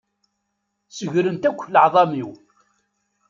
Segrent akk leεḍam-iw.